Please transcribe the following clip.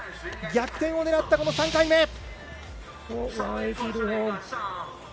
逆転を狙った３回目。